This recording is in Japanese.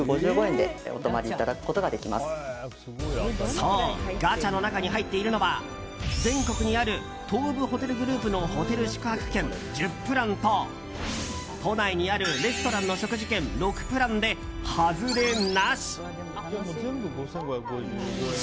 そう、ガチャの中に入っているのは全国にある東武ホテルグループのホテル宿泊券１０プラント都内にあるレストランの食事券６プランでハズレなし。